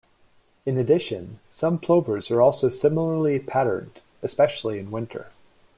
In addition, some plovers are also similarly patterned, especially in winter.